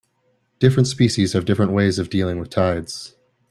Different species have different ways of dealing with tides.